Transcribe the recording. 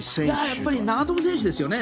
やっぱり長友選手ですよね。